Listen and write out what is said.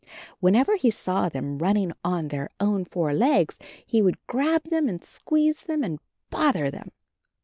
Whenever he saw them running on their own four legs he would grab them and squeeze them and bother them.